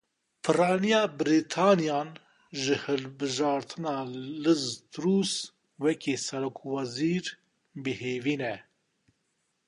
Piraniya Brîtaniyan ji hilbijartina Liz Truss wekî serokwezîr bêhêvî ne.